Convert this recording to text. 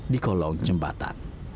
di kolong jembatan